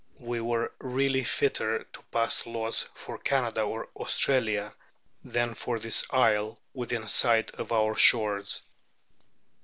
We were really fitter to pass laws for Canada or Australia than for this isle within sight of our shores.